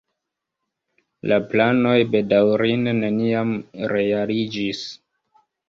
La planoj bedaŭrinde neniam realiĝis.